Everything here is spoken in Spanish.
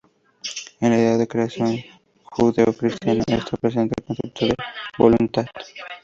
En la idea de creación judeo-cristiana está presente el concepto de "voluntad".